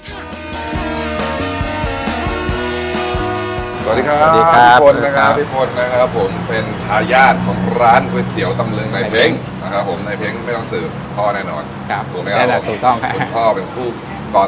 เช่นอาชีพพายเรือขายก๋วยเตี๊ยว